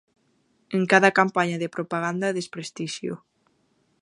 En cada campaña de propaganda e desprestixio.